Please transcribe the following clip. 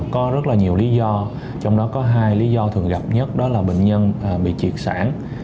có rất là nhiều lý do trong đó có hai lý do thường gặp nhất đó là bệnh nhân bị triệt sản